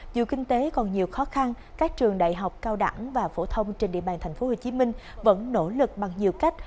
dù kinh tế còn nhiều khó khăn các trường đại học cao đẳng và phổ thông trên địa bàn tp hcm vẫn nỗ lực bằng nhiều cách